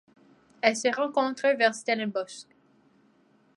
Elle se rencontre vers Stellenbosch.